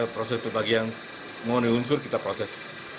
ya proses kita proses bagi yang mengundi unsur kita proses